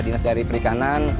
dinas dari perikanan